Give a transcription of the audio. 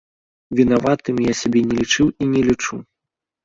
Вінаватым я сябе не лічыў і не лічу.